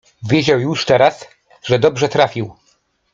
Wiedział już teraz, że dobrze trafił.